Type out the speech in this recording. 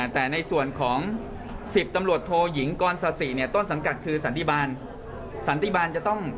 แต่ในส่วนของ๑๐ตำรวจโทหยิงกศ๔ต้นสังกัดคือสันติบาล